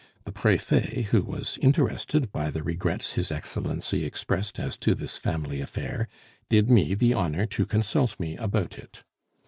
The Prefet, who was interested by the regrets his Excellency expressed as to this family affair, did me the honor to consult me about it.